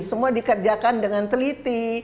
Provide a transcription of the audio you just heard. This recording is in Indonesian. semua dikerjakan dengan teliti